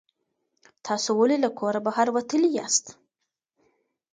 تاسو ولې له کوره بهر وتلي یاست؟